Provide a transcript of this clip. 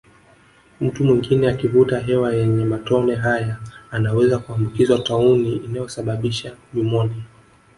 Mtu mwingine akivuta hewa yenye matone haya anaweza kuambukizwa tauni inayosababisha nyumonia